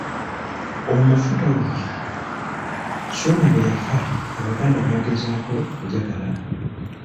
Omufu taluma , Ssuuna bwe yafa Abaganda baagezaako okujagalala.